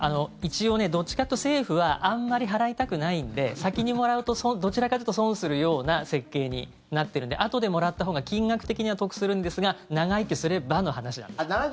一応どっちかというと政府はあんまり払いたくないので先にもらうとどちらかというと損するような設計になってるんであとでもらったほうが金額的には得するんですが長生きすればの話なんです。